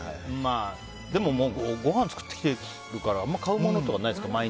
でもごはん作ってきてるからあんまり買うものとかないですか？